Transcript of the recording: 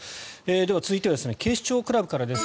では、続いては警視庁クラブからです。